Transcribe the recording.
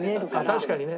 確かにね。